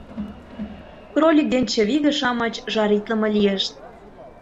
Кролик ден чывиге-шамыч жаритлыме лийышт.